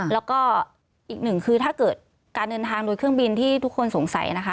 แล้วก็อีกหนึ่งคือถ้าเกิดการเดินทางโดยเครื่องบินที่ทุกคนสงสัยนะคะ